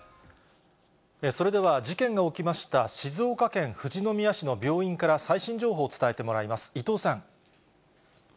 それでは、事件が起きました静岡県富士宮市の病院から最新情報を伝えてもらいます。